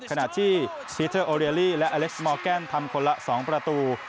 ขณะที่ซีเทอร์โอเรียลี่และอเล็กซ์มอร์แกนทำคนละ๒ประตู